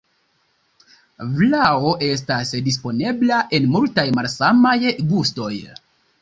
Vlao estas disponebla en multaj malsamaj gustoj.